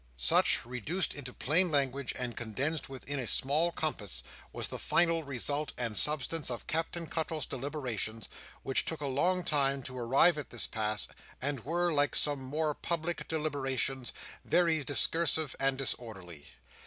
Such, reduced into plain language, and condensed within a small compass, was the final result and substance of Captain Cuttle's deliberations: which took a long time to arrive at this pass, and were, like some more public deliberations, very discursive and disorderly.